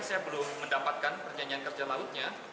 saya belum mendapatkan perjanjian kerja lautnya